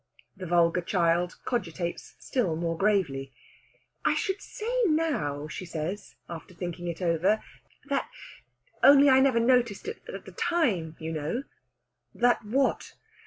The vulgar child cogitates still more gravely. "I should say now," she says, after thinking it over, "that only I never noticed it at the time, you know " "That what?"